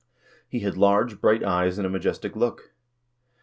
He had large bright eyes and a majestic look.